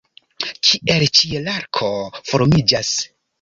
Kiel ĉielarko formiĝas?